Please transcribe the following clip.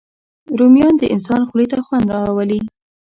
رومیان د انسان خولې ته خوند راولي